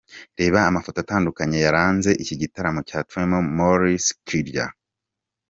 Reba amafoto atandukanye yaranze iki gitaramo cyatumiwemo Maurice Kirya.